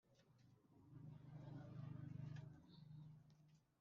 angabiza nagasanzwe